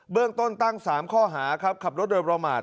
เรื่องต้นตั้ง๓ข้อหาครับขับรถโดยประมาท